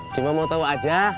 cuma mau tau aja